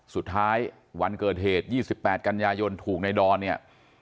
สุดท้ายวันเกิดเหตุ๒๘กัญญายนถูกในดอนเนี่ย